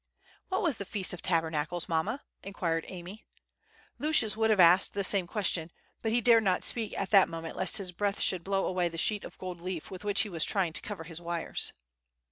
"What was the Feast of Tabernacles, mamma?" inquired Amy. Lucius would have asked the same question, but he dared not speak at that moment lest his breath should blow away the sheet of gold leaf with which he was trying to cover his wires.